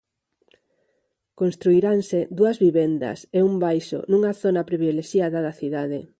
Construiranse dúas vivendas e un baixo nunha zona privilexiada da cidade.